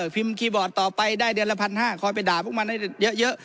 พิมพ์คีย์บอร์ดต่อไปได้เดือนละพันห้าคอยไปด่าพวกมันให้เยอะเยอะ